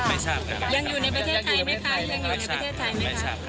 ไม่ทราบครับยังอยู่ในประเทศไทยไหมคะ